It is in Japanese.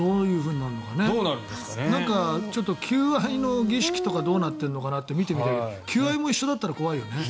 なんかちょっと求愛の儀式とかどうなっているのかなって見てみたいけど求愛も一緒だったら怖いよね。